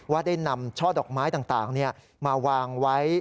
ได้นำช่อดอกไม้ต่างมาวางไว้